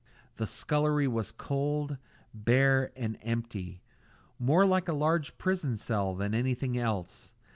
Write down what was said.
The scullery was cold, bare, and empty; more like a large prison cell than anything else.